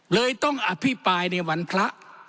เลยต้องอภิปรายในวันพระ